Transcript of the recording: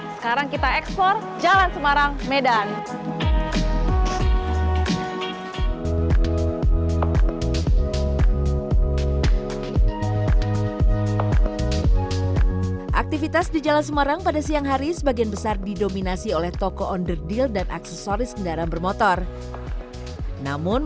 sekarang kita ekspor jalan semarang medan